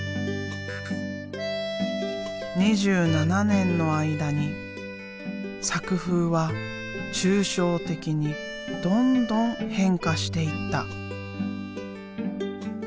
２７年の間に作風は抽象的にどんどん変化していった。